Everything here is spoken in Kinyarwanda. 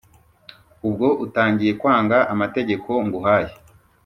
Ubwo utangiye kwangaAmategeko nguhaye,